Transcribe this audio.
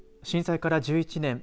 震災から１１年。